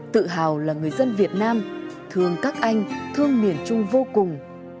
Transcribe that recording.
tự hào là người dân việt nam thương các anh thương miền trung vô cùng